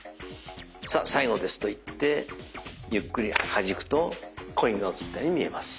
「さあ最後です」と言ってゆっくり弾くとコインが移ったように見えます。